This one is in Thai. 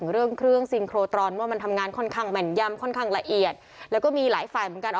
เรื่องเครื่องซิงโครตรอนว่ามันทำงานค่อนข้างแม่นยำค่อนข้างละเอียดแล้วก็มีหลายฝ่ายเหมือนกัน